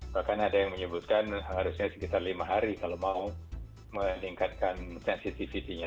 bahkan ada yang menyebutkan harusnya sekitar lima hari kalau mau meningkatkan sensitivity nya